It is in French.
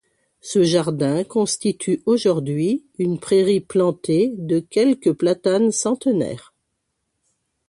Ce jardin constitue aujourd'hui une prairie plantée de quelques platanes centenaires.